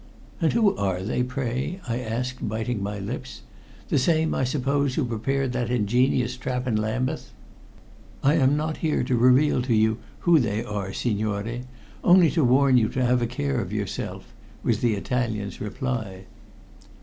"And who are they, pray?" I asked, biting my lips. "The same, I suppose, who prepared that ingenious trap in Lambeth?" "I am not here to reveal to you who they are, signore, only to warn you to have a care of yourself," was the Italian's reply.